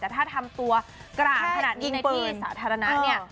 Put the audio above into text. แต่ถ้าทำตัวกลางขนาดนี้ในที่สาธารณะเนี่ย